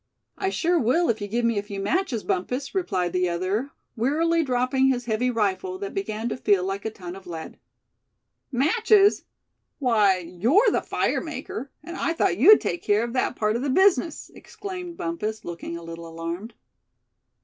"I sure will, if you give me a few matches, Bumpus," replied the other, wearily dropping his heavy rifle, that began to feel like a ton of lead. "Matches! Why, you're the fire maker; and I thought you'd take care of that part of the business!" exclaimed Bumpus, looking a little alarmed.